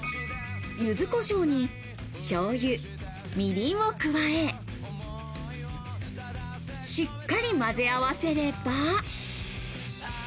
柚子こしょうに、醤油、みりんを加え、しっかりまぜ合わせれば。